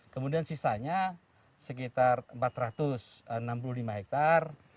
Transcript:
kemudian sisanya sekitar empat ratus enam puluh lima hektare